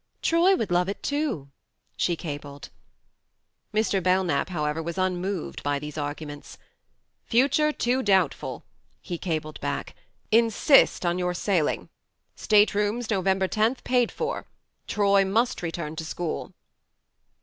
"Troy would love it too," she cabled. Mr. Belknap, however, was unmoved by these arguments. "Future too doubtful," he cabled back. "Insist on your sailing. Staterooms November tenth paid for. Troy must return to school."